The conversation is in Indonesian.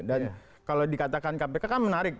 dan kalau dikatakan kpk kan menarik